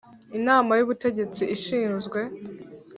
Inama y ubutegetsi ishinzwe